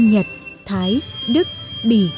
nhật thái đức bỉ